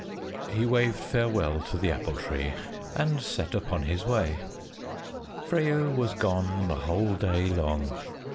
He waved farewell to the Apple Tree and set upon his way. Freyo was gone the whole day long.